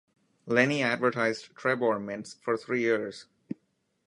Lenny advertised Trebor mints for three years.